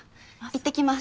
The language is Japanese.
いってきます。